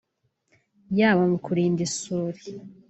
yaba mu kurinda isuri